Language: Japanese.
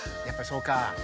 やっぱりそうか。